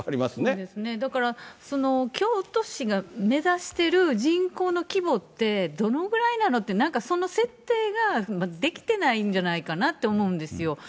そうですね、だから、京都市が目指してる人口の規模って、どのくらいなのって、なんか、その設定ができてないんじゃないかなって思うんですよ。